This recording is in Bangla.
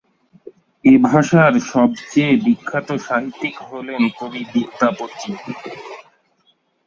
এ ভাষার সবচেয়ে বিখ্যাত সাহিত্যিক হলেন কবি বিদ্যাপতি।